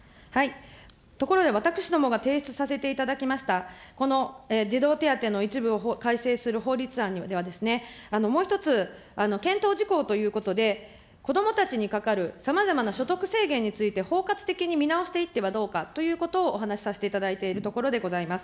ところで私どもが提出させていただきました、この児童手当の一部を改正する法律案では、もう一つ、検討事項ということで、子どもたちにかかるさまざまな所得制限について、包括的に見直していってはどうかということをお話しさせているところでございます。